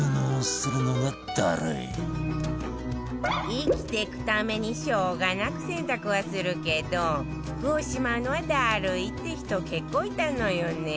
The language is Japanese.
生きていくためにしょうがなく洗濯はするけど服をしまうのはダルいって人結構いたのよね